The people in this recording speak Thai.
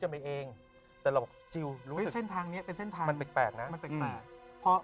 แจ๊คจิลวันนี้เขาสองคนไม่ได้มามูเรื่องกุมาทองอย่างเดียวแต่ว่าจะมาเล่าเรื่องประสบการณ์นะครับ